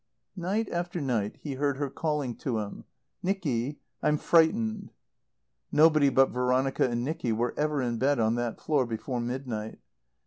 Night after night he heard her calling to him, "Nicky, I'm frightened." Nobody but Veronica and Nicky were ever in bed on that floor before midnight.